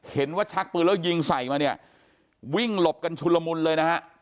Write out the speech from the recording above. ชักปืนแล้วยิงใส่มาเนี่ยวิ่งหลบกันชุลมุนเลยนะฮะ